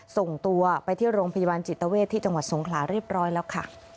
ส่งตัวไปที่โรงพยาบาลจิตเวทที่จังหวัดสงขลาเรียบร้อยแล้วค่ะ